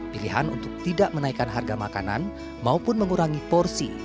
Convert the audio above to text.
pilihan untuk tidak menaikkan harga makanan maupun mengurangi porsi